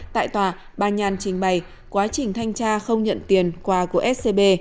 tại tòa bà nhàn trình bày quá trình thanh tra không nhận tiền quà của scb